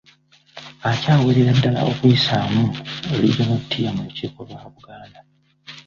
Akyawerera ddala olw’okuyisaamu Regional Tier mu lukiiko lwa Buganda